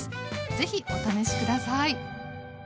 ぜひお試し下さい。